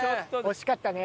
惜しかったね。